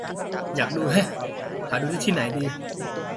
อยากดู แฮะ หาดูที่ไหนดี